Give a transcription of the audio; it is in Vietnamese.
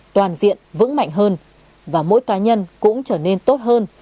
toàn diện vững mạnh hơn và mỗi cá nhân cũng trở nên tốt hơn